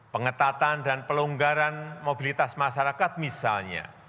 pengetatan dan pelonggaran mobilitas masyarakat misalnya